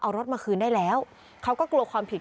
เอารถมาคืนได้แล้วเขาก็กลัวความผิด